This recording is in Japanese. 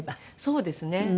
そうですね。